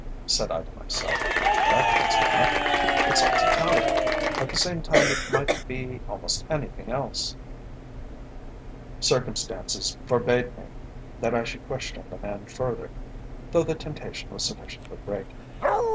said I to myself, "that tells me nothing. It sounds Italian. At the same time it might be almost anything else." Circumstances forbade me that I should question the man further, though the temptation was sufficiently great.